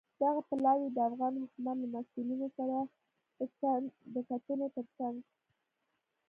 دغه پلاوی د افغان حکومت له مسوولینو سره د کتنو ترڅنګ